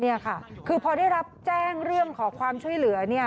นี่ค่ะคือพอได้รับแจ้งเรื่องขอความช่วยเหลือเนี่ย